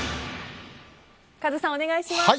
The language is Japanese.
カズさん、お願いします。